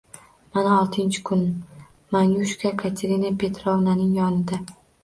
Mana, oltinchi kun, Manyushka Katerina Petrovnaning yonida.